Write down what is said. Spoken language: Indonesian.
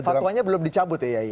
fatwanya belum dicabut ya